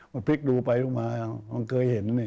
มันพลิกดูไปดูมามันเคยเห็นนี่